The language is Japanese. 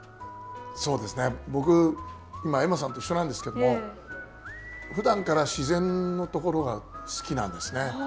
僕、エマさんと一緒なんですけどふだんから自然のところが好きなんですね。